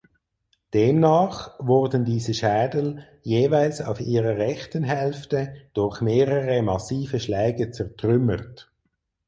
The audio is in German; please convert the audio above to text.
Demnach wurden diese Schädel jeweils auf ihrer rechten Hälfte durch mehrere massive Schläge zertrümmert.